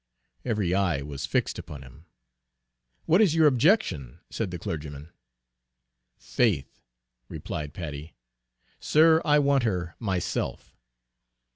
Every eye was fixed upon him. "What is your objection?" said the clergyman. "Faith," replied Paddy, "Sir I want her myself."